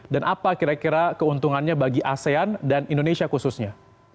dan apa kira kira keuntungannya bagi asean dan indonesia khususnya